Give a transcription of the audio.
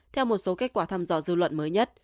theo một số kết quả thăm dò dư luận mới nhất